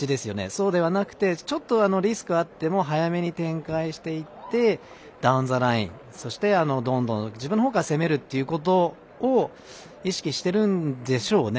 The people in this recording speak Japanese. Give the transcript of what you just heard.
そうではなくてちょっとリスクがあっても早めに展開していってダウン・ザ・ラインそして、どんどん自分のほうから攻めるっていうことを意識してるんでしょうね。